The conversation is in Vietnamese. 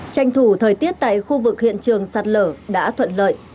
tranh thủ thời tiết tại khu vực hiện trường sạt lở đã thuận lợi